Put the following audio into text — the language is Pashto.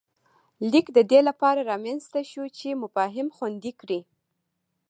لیک د دې له پاره رامنځته شوی چې مفاهیم خوندي کړي